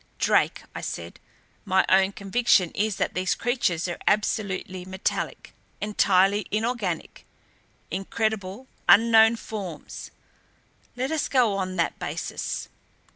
"Drake," I said, "my own conviction is that these creatures are absolutely metallic, entirely inorganic incredible, unknown forms. Let us go on that basis."